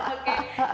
terima kasih ya undang